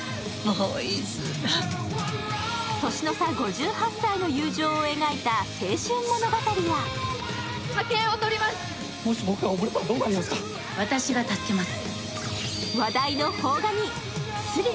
年の差５８歳の友情を描いた青春物語やおはようございます。